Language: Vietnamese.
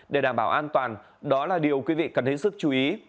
để đảm bảo an toàn đó là điều quý vị cần hết sức chú ý